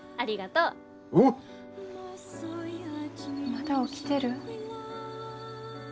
まだ起きてる？